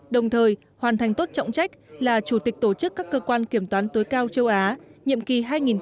đồng thời hoàn thành tốt trọng trách là chủ tịch tổ chức các cơ quan kiểm toán tối cao châu á nhiệm kỳ hai nghìn một mươi tám hai nghìn hai mươi bốn